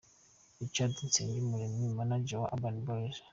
Richard Nsengumuremyi , manager wa Urban Boys.